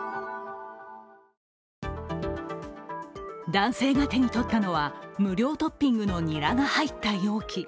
男性が手に取ったのは無料トッピングのニラが入った容器。